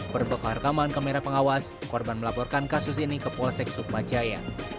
berbekal rekaman kamera pengawas korban melaporkan kasus ini ke polsek sukmajaya